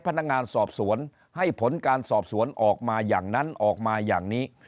พนักงานสอบสวนให้ผลการสอบสวนออกมาอย่างนั้นออกมาอย่างนี้